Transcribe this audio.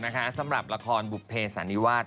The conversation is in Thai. นะคะสำหรับละครบุคเทศธิวาส